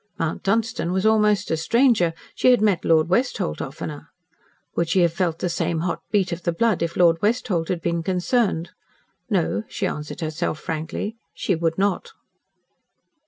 Mount Dunstan was almost a stranger she had met Lord Westholt oftener. Would she have felt the same hot beat of the blood, if Lord Westholt had been concerned? No, she answered herself frankly, she would not.